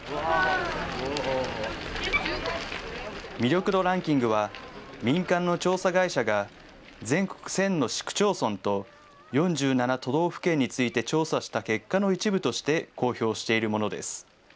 魅力度ランキングは、民間の調査会社が、全国１０００の市区町村と４７都道府県について調査した結果の一部として公表しているものです。